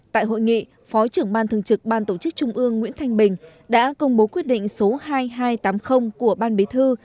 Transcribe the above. tại hội nghị phó trưởng ban thường trực ban tổ chức trung ương nguyễn thanh bình đã công bố quyết định số hai nghìn hai trăm tám mươi của ban bí thư